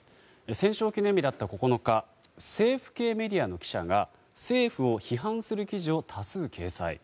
戦勝記念日だった９日政府系メディアの記者が政府を批判する記事を多数掲載。